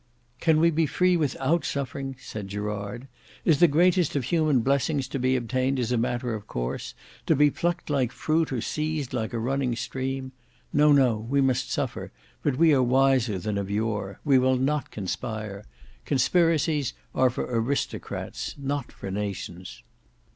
"Can we be free without suffering," said Gerard. "Is the greatest of human blessings to be obtained as a matter of course; to be plucked like fruit, or seized like a running stream? No, no: we must suffer, but we are wiser than of yore,—we will not conspire. Conspiracies are for aristocrats, not for nations."